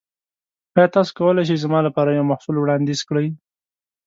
ایا تاسو کولی شئ زما لپاره یو محصول وړاندیز کړئ؟